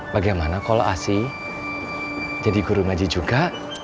bagaimana kalau asy jadi guru ngaji juga